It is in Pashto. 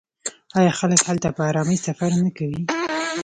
آیا خلک هلته په ارامۍ سفر نه کوي؟